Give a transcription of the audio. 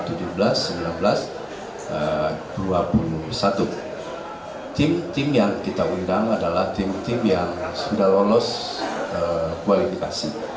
tim tim yang kita undang adalah tim tim yang sudah lolos kualifikasi